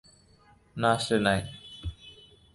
না আসলে নাই।